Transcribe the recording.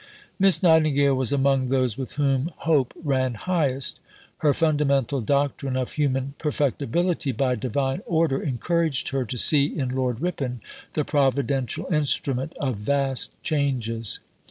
Miss Nightingale was among those with whom hope ran highest. Her fundamental doctrine of human perfectibility by Divine order encouraged her to see in Lord Ripon the Providential instrument of vast changes.